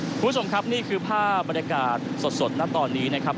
คุณผู้ชมครับนี่คือภาพบรรยากาศสดณตอนนี้นะครับ